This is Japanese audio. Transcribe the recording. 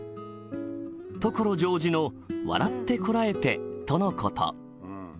「所ジョージの笑ってこらえてとのこと」